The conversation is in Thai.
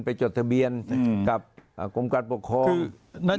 จดทะเบียนกับกรมการปกครอง